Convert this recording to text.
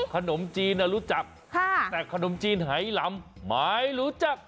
ขนมจีนรู้จักแต่ขนมจีนไหลำหมายรู้จัก